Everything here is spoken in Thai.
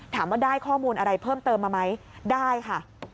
ถามว่าได้ข้อมูลอะไรเพิ่มเติมมาไหมได้ค่ะ